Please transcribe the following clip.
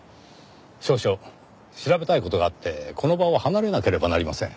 少々調べたい事があってこの場を離れなければなりません。